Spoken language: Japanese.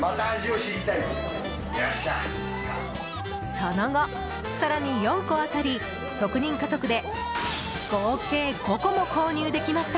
その後、更に４個当たり６人家族で合計５個も購入できました。